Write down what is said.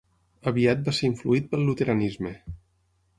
Aviat va ser influït pel luteranisme.